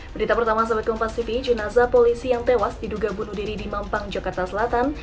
berita pertama sempat kompaksipi jenazah polisi yang tewas diduga bunuh diri di mampang jakarta selatan